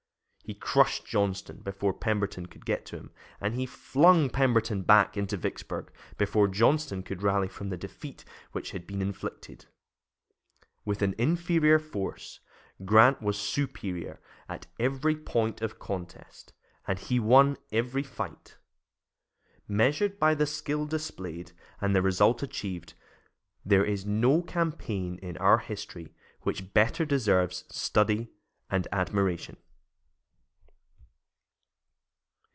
He crushed Johnston before Pemberton could get to him, and he flung Pemberton back into Vicksburg before Johnston could rally from the defeat which had been inflicted. With an inferior force, Grant was superior at every point of contest, and he won every fight. Measured by the skill displayed and the result achieved, there is no campaign in our history which better deserves study and admiration.